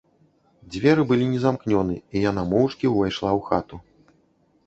Дзверы былі незамкнёны, і яна моўчкі ўвайшла ў хату.